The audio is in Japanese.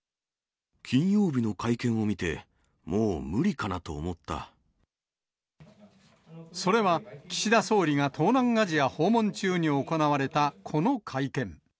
金曜日の会見を見て、もう無それは、岸田総理が東南アジア訪問中に行われたこの会見。